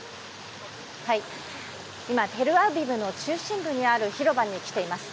今、テルアビブの中心部にある広場に来ています。